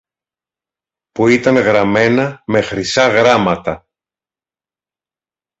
που ήταν γραμμένα με χρυσά γράμματα